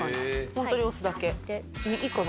ホントに押すだけ。